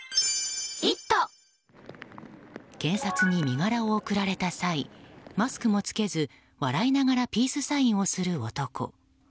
警察に身柄を送られた際マスクも着けず笑いながらピースサインをする男。